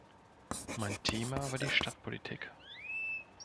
Mein Thema war die Stadtpolitik.